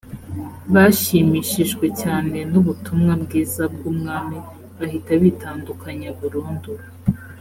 bashimishijwe cyane n ‘ubutumwa bwiza bw ‘ubwami bahita bitandukanya burundu .